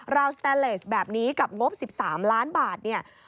ราวสแตนเลสแบบนี้กับงบ๑๓ล้านบาทเนี่ย